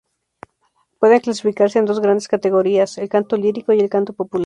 Pueden clasificarse en dos grandes categorías: el canto lírico y el canto popular.